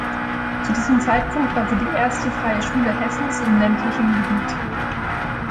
Zu diesem Zeitpunkt war sie die erste Freie Schule Hessens in ländlichem Gebiet.